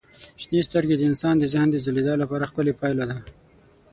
شنې سترګې د انسان د ذهن د ځلېدو لپاره ښکلي پایله ده.